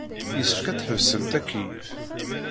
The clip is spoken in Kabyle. Yessefk ad tḥebsemt akeyyef.